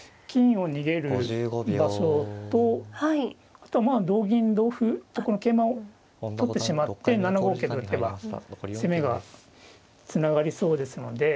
あとはまあ同銀同歩とこの桂馬を取ってしまって７五桂を打てば攻めがつながりそうですので。